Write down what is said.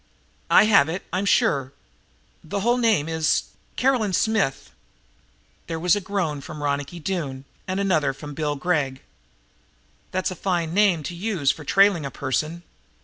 "I have it, I'm sure. The whole name is Caroline Smith." There was a groan from Ronicky Doone and another from Bill Gregg. "That's a fine name to use for trailing a person.